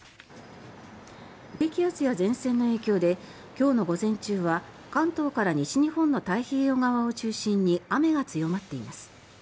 低気圧や前線の影響で今日の午前中は関東から西日本の太平洋側を中心に雨が強まっています。